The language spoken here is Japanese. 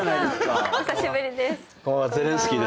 お久しぶりです。